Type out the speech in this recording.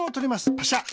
パシャ。